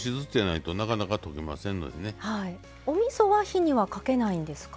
おみそは火にはかけないんですか？